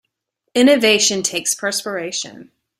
Innovation takes perspiration.